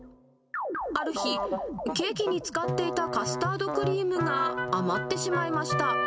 ある日、ケーキに使っていたカスタードクリームが余ってしまいました。